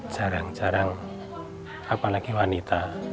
jarang jarang apalagi wanita